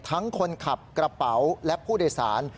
ทั้งคนขับกระเป๋าและผู้โดยสาร